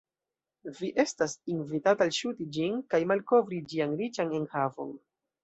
Vi estas invitata elŝuti ĝin kaj malkovri ĝian riĉan enhavon.